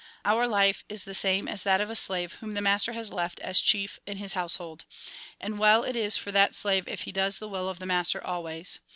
" Our life is the same as that of a slave whom the master has left as chief in his household. And well it is for that slave if he does the will of the master always